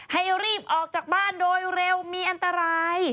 ให้รีบออกจากบ้านโดยเร็วมีอันตราย